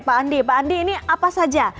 pak andi pak andi ini apa saja